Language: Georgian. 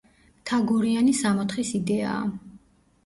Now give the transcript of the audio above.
მთაგორიანი „სამოთხის“ იდეაა.